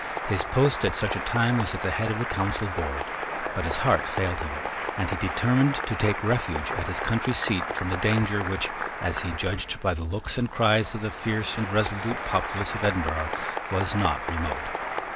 His post, at such a time, was at the head of the Council board: but his heart failed him; and he determined to take refuge at his country seat from the danger which, as he judged by the looks and cries of the fierce and resolute populace of Edinburgh, was not remote.